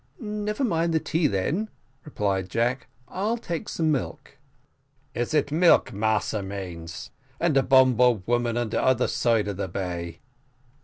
"Never mind the tea, then," replied Jack, "I'll take some milk." "Is it milk massa manes, and the bumboat woman on the oder side of the bay?"